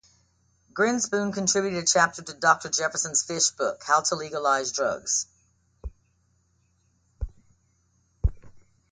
Grinspoon contributed a chapter to Jefferson Fish's book "How to Legalize Drugs".